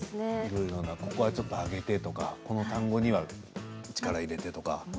ここはちょっと上げてとかこの単語には力を入れてとか。